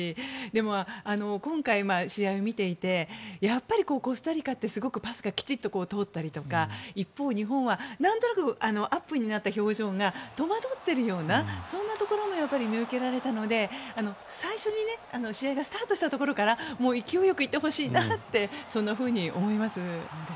でも、今回、試合を見ていてやっぱり、コスタリカってパスがすごくきちんと通ったりとか、一方、日本は何となくアップになった表情が戸惑っているようなところも見受けられたので最初に試合がスタートしたところからもう勢い良くいってほしいなとそんなふうに思います。